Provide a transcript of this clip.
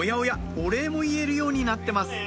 お礼も言えるようになってます